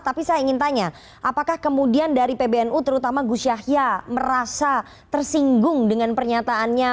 tapi saya ingin tanya apakah kemudian dari pbnu terutama gus yahya merasa tersinggung dengan pernyataannya